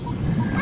あ！